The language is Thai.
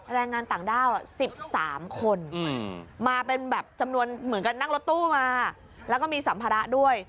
แรงงานต่างด้าว๑๓คนมาเป็นแบบจำนวนเหมือนกันนั่งรถตู้มาแล้วก็มีสัมภาระด้วย